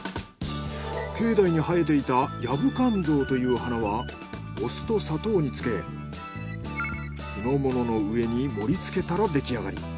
境内に生えていたヤブカンゾウという花はお酢と砂糖に漬け酢の物の上に盛りつけたらできあがり。